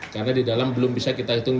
karena di dalam belum bisa kita hitung